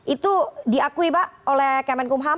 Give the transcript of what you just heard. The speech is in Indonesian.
itu diakui pak oleh kementerian pertahanan